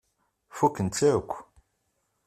Fukken-tt akk.